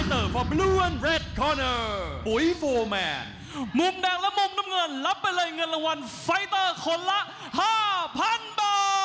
มุมแดงและมุมน้ำเงินรับไปเลยเงินรางวัลไฟเตอร์คนละ๕๐๐๐บาท